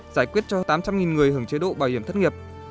giải quyết cho hơn tám trăm linh người hưởng chế độ bảo hiểm thất nghiệp